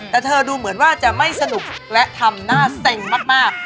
แต่เธอดูเหมือนว่าจะไม่สนุกและทำหน้าเซ็งมาก